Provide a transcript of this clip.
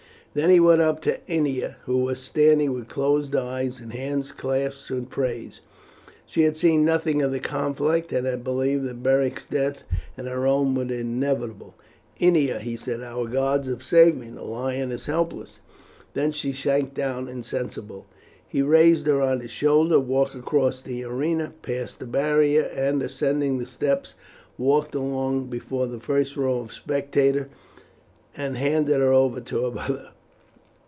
Then he went up to Ennia, who was standing with closed eyes and hands clasped in prayer. She had seen nothing of the conflict, and had believed that Beric's death and her own were inevitable. "Ennia," he said, "our gods have saved me; the lion is helpless." Then she sank down insensible. He raised her on his shoulder, walked across the arena, passed the barrier, and, ascending the steps, walked along before the first row of spectators and handed her over to her mother.